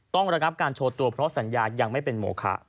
ระงับการโชว์ตัวเพราะสัญญายังไม่เป็นโมคะ